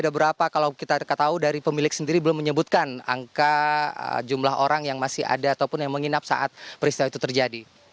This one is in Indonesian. ada berapa kalau kita tahu dari pemilik sendiri belum menyebutkan angka jumlah orang yang masih ada ataupun yang menginap saat peristiwa itu terjadi